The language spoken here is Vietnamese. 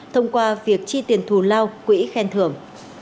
thông qua việc chi tiền thù lao quỹ khen thưởng